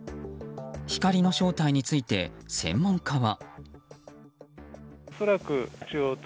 光の正体について専門家は。